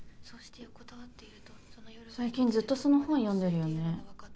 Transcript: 「そうして横たわっていると」最近ずっとその本読んでるよね。